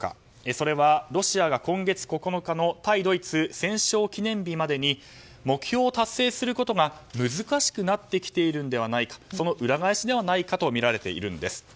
それはロシアが今月９日の対ドイツ戦勝記念日までに目標を達成することが難しくなってきているのではないかその裏返しではないかとみられているんです。